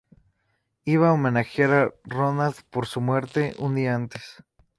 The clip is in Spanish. Iba a homenajear a Roland por su muerte un día antes.